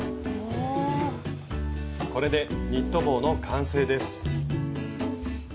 これでニット帽の完成です。